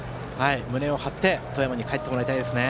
胸を張って富山に帰ってもらいたいですね。